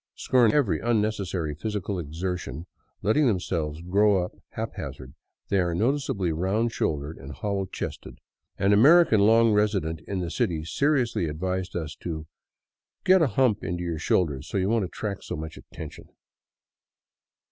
Scorn ing every unnecessary physical exertion, letting themselves grow up haphazard, they are noticeably round shouldered and hollow chested. An American long resident in the city seriously advised us to " get a hump into your shoulders so you won't attract so much attention."